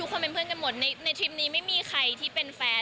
คนเป็นเพื่อนกันหมดในทริปนี้ไม่มีใครที่เป็นแฟน